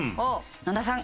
野田さん